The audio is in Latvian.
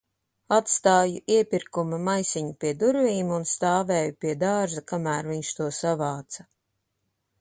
Atstāju iepirkuma maisiņu pie durvīm un stāvēju pie dārza, kamēr viņš to savāca.